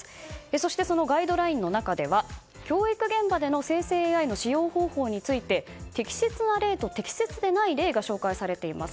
そしてガイドラインの中では教育現場での生成ＡＩの使用方法について適切な例と適切でない例が紹介されています。